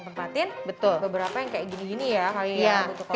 tempatin betul beberapa yang kayak gini gini ya kalian butuhkan ya